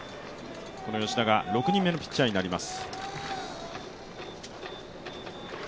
この吉田が６人目のピッチャーになります。